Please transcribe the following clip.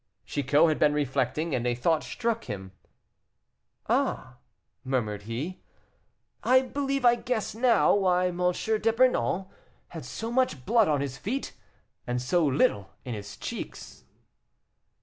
Chicot had been reflecting, and a thought struck him. "Ah!" murmured he, "I believe I guess now why M. d'Epernon had so much blood on his feet and so little in his cheeks."